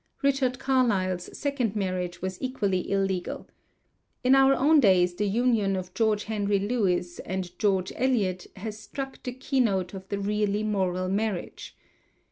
Richard Carlile's second marriage was equally illegal. In our own days the union of George Henry Lewes and George Eliot has struck the key note of the really moral marriage.